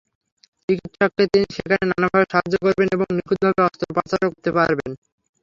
চিকিৎসককে তিনি সেখানে নানাভাবে সাহায্য করবেন এবং নিখুঁতভাবে অস্ত্রোপচারও করতে পারবেন।